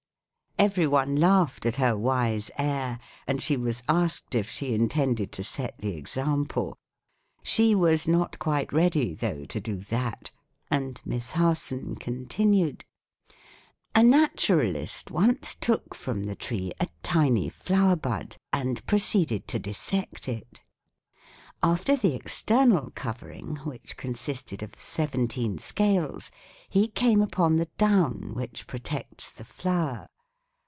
Everyone laughed at her wise air, and she was asked if she intended to set the example. She was not quite ready, though, to do that; and Miss Harson continued: "A naturalist once took from the tree a tiny flower bud and proceeded to dissect it. After the external covering, which consisted of seventeen scales, he came upon the down which protects the flower.